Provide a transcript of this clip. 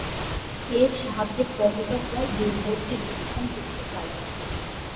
এর সাহায্যে পর্যটকরা দূরবর্তী স্থান দেখতে পারবেন।